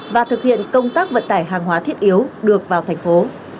và thực hiện công tác vận tải hàng hóa thiết yếu được vào thành phố